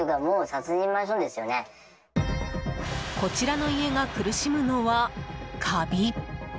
こちらの家が苦しむのはカビ。